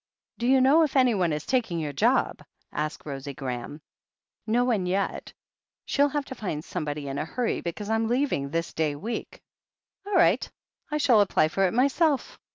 "Do you know if anyone is taking on your job?" asked Rosie Graham. "No one, yet. She'll have to find somebody in a hurry, because I'm leaving this day week." "All right. I shall apply for it myself.